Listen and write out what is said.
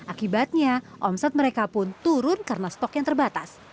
akibatnya omset mereka pun turun karena stok yang terbatas